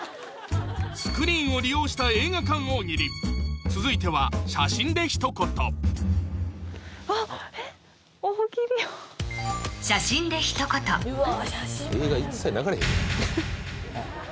スクリーンを利用した映画館大喜利続いては写真で一言わっえっ？